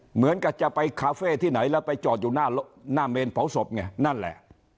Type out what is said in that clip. เหมือนกับจะไปคาเฟ่ที่ไหนแล้วไปจอดอยู่หน้าเมนเผาศพไงนั่นแหละ